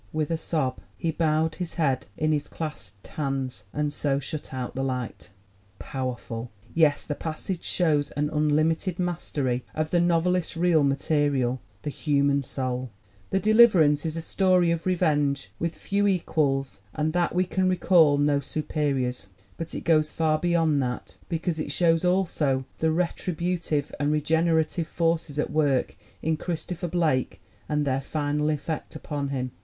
"With a sob, he bowed his head in his clasped hands, and so shut out the light." Powerful? Yes, the passage shows an unlimited mastery of the novelist's real material, the human ELLEN GLASGOW 39 soul. The Deliverance is a story of revenge with few equals and, that we can recall, no superiors; but it goes far beyond that, because it shows also the re tributive and regenerative forces at work in Christo pher Blake and their final effect upon him.